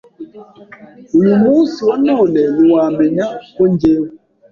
uyu munsi wa none ntiwamenya ko njyewe